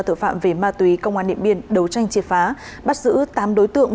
tội phạm về ma túy công an điện biên đấu tranh triệt phá bắt giữ tám đối tượng